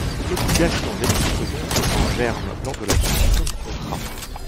L'obligation n'existe donc qu'en germe lors de la conclusion du contrat.